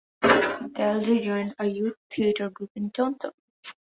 Daldry joined a youth theatre group in Taunton.